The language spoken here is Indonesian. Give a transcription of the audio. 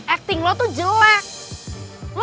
acting lo tuh jelek